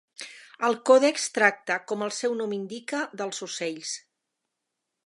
El còdex tracta, com el seu nom indica, dels ocells.